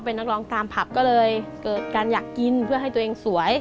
เป็นนักร้องตามผับก็เลยเกิดการอยากกินเพื่อให้ตัวเองสวย